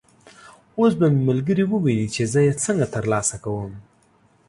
اوس به مې ملګري وویني چې زه یې څنګه تر لاسه کوم.